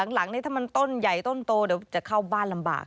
หลังนี่ถ้ามันต้นใหญ่ต้นโตเดี๋ยวจะเข้าบ้านลำบาก